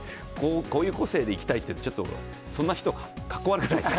こういう個性でいきたいって、ちょっとそんな人、かっこ悪くないですか？